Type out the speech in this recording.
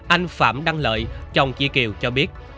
anh phạm đăng lợi chồng chi kiều cho biết